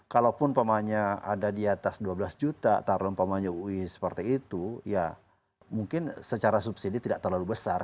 kalaupun pemainnya ada di atas dua belas juta taruh umpamanya ui seperti itu ya mungkin secara subsidi tidak terlalu besar